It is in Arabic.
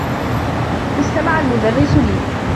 استمع المدرّس لي.